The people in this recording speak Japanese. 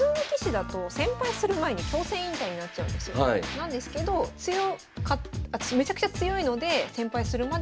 なんですけどめちゃくちゃ強いので１，０００敗するまで。